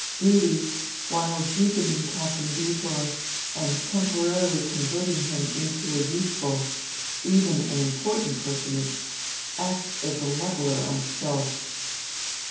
Duty, while deepening Captain Butor and temporarily converting him into a useful, even an important personage, acts as a leveller on Stoss.